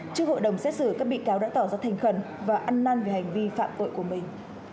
trước hội đồng xét xử các bị cáo đã tỏ ra thành khẩn và ăn năn về hành vi phạm tội của mình